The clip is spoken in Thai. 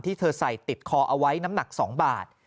เธอใส่ติดคอเอาไว้น้ำหนัก๒บาท